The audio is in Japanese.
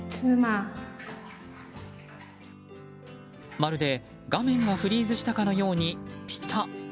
まるで画面がフリーズしたかのようにピタッ。